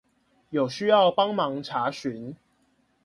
有需要幫忙查詢